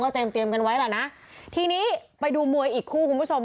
เตรียมเตรียมกันไว้แล้วนะทีนี้ไปดูมวยอีกคู่คุณผู้ชม